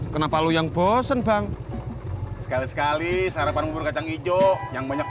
kenapa loyang bosen bang sekali sekali sarapan bubur kacang hijau yang banyak